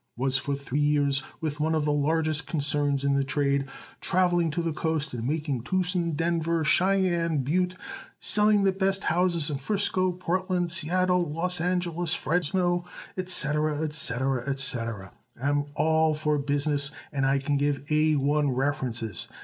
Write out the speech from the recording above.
Was for three years with one of the largest concerns in the trade traveling to the coast and making Tooson, Denver, Shyenne and Butte, selling the best houses in Frisco, Portland, Seattle, Los Angles, Fresno &c &c &c. _Am all for business and can give A 1 references.